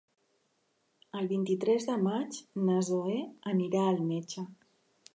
El vint-i-tres de maig na Zoè anirà al metge.